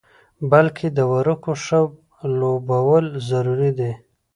بلکې د ورقو ښه لوبول ضروري دي.